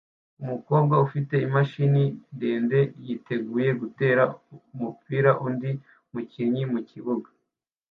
Umukobwa ufite imashini ndende yiteguye gutera umupira undi mukinnyi mukibuga